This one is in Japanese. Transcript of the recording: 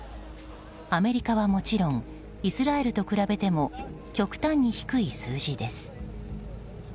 アメリカはもちろんイスラエルと比べても極端に低い数字です。